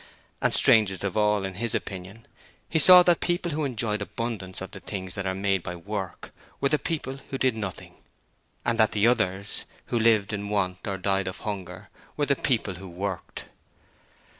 And strangest of all in his opinion he saw that people who enjoyed abundance of the things that are made by work, were the people who did Nothing: and that the others, who lived in want or died of hunger, were the people who worked.